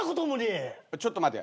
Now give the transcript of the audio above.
ちょっと待て。